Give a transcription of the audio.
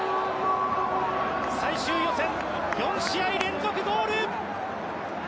最終予選、４試合連続ゴール！